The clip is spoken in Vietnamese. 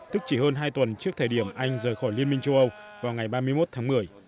tức chỉ hơn hai tuần trước thời điểm anh rời khỏi liên minh châu âu vào ngày ba mươi một tháng một mươi